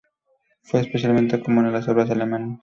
Fue especialmente común en las obras alemanas.